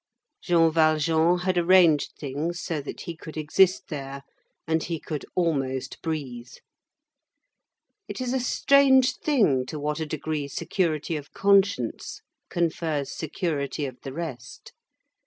Jean Valjean had arranged things so that he could exist there, and he could almost breathe. It is a strange thing to what a degree security of conscience confers security of the rest.